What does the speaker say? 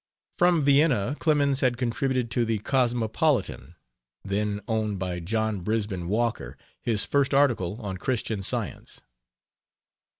From Vienna Clemens had contributed to the Cosmopolitan, then owned by John Brisben Walker, his first article on Christian Science.